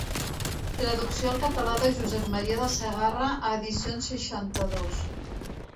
Traducció al català de Josep Maria de Sagarra a Edicions seixanta-dos.